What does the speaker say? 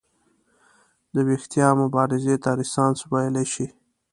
د ویښتیا مبارزې ته رنسانس ویلی شي.